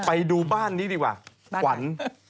ไปดูบ้านนี้ดีกว่าขวัญ